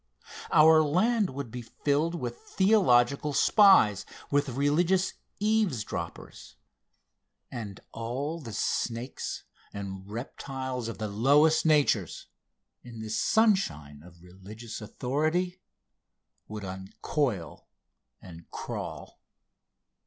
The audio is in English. Our land would be filled with theological spies, with religious eavesdroppers, and all the snakes and reptiles of the lowest natures, in this sunshine of religious authority, would uncoil and crawl.